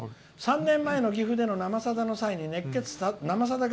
「３年前の岐阜での「生さだ」の際に熱血「生さだ」